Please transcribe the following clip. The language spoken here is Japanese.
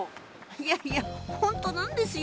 いやいやホントなんですよ！